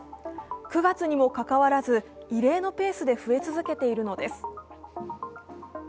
９月にもかかわらず異例のペースで増え続けているのです。